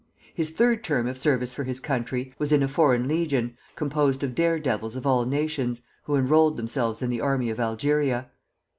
His third term of service for his country was in a foreign legion, composed of dare devils of all nations, who enrolled themselves in the army of Algeria.